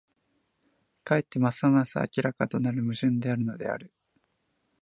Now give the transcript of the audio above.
かえってますます明らかとなる矛盾であるのである。